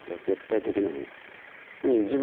絶対的なもん。